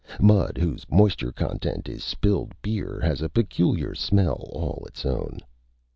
Mud whose moisture content is spilled beer has a peculiar smell all its own.